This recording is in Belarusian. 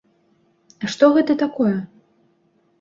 А што гэта такое?